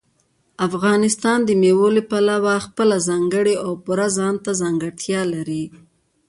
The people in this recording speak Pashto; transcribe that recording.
افغانستان د مېوو له پلوه خپله ځانګړې او پوره ځانته ځانګړتیا لري.